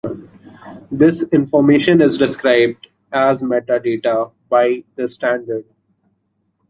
This information is described as metadata by the standard.